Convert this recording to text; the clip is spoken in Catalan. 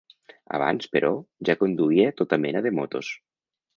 Abans, però, ja conduïa tota mena de motos.